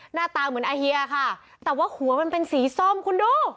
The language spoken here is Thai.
หน้าตาเหมือนอาเฮียค่ะแต่ว่าหัวมันเป็นสีส้มคุณดู